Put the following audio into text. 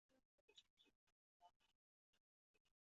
福坦莫法学院授予法律博士学位。